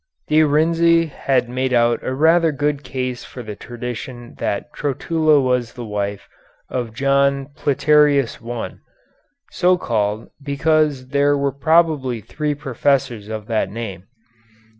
De Renzi has made out a rather good case for the tradition that Trotula was the wife of John Platearius I so called because there were probably three professors of that name.